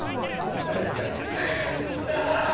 やりやがって。